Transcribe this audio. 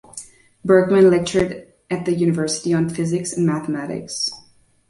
Bergman lectured at the university on physics and mathematics.